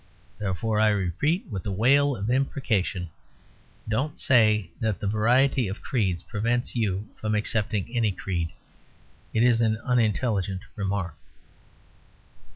Therefore I repeat, with the wail of imprecation, don't say that the variety of creeds prevents you from accepting any creed. It is an unintelligent remark.